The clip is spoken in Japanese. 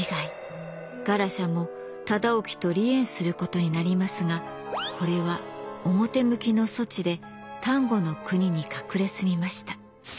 ガラシャも忠興と離縁することになりますがこれは表向きの措置で丹後国に隠れ住みました。